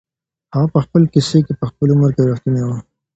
هغه په خپل کیسې کي په خپل عمر کي رښتونی و.